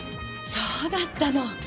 そうだったの。